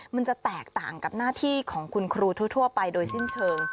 มันจะแตกต่างกับหน้าที่ของคุณครูทั่วไปโดยสิ้นเชิง